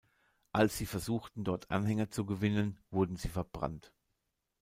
Als sie versuchten, dort Anhänger zu gewinnen, wurden sie verbrannt.